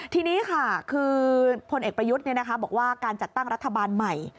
ทีนี้ค่ะคือพลเอกประยุทธ์บอกว่าการจัดตั้งรัฐบาลใหม่